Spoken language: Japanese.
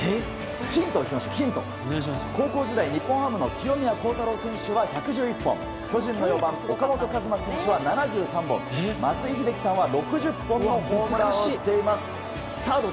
ヒント、高校時代日本ハムの清宮幸太郎選手は１１１本巨人の４番岡本和真選手は７３本松井秀喜さんは６０本のホームランを打っています。